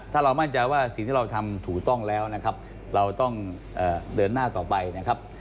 ถ้าเรามั่นใจว่าสิ่งที่เราทำถูกต้องแล้วนะครับเราต้องเดินหน้าต่อไปนะครับ